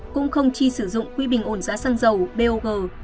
cũng không chi sử dụng quỹ bình ổn giá xăng dầu bog